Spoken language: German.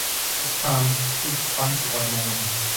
Es kam zu Zwangsräumungen.